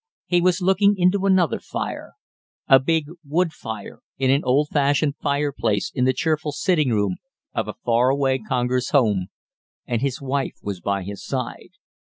He was looking into another fire a big, wood fire in an old fashioned fireplace in the cheerful sitting room of a far away Congers home, and his wife was by his side.